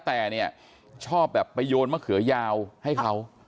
แต่ชอบไปโยนมะเขือยาวให้เขา